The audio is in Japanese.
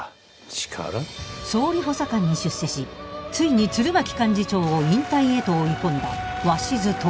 総理補佐官に出世しついに鶴巻幹事長を引退へと追い込んだ鷲津亨。